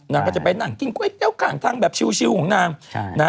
นางก็จะไปนั่งกินก๋วยเตี๋ยวข้างทางแบบชิวของนาง